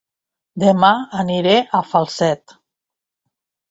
Dema aniré a Falset